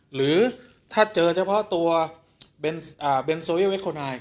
หรือถ้าเจอเฉพาะตัวเบนโซเยคโฮนาย